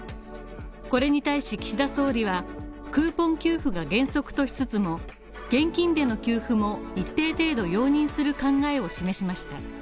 これに対し岸田総理は、クーポン給付が原則としつつも、現金での給付も一定程度容認する考えを示しました。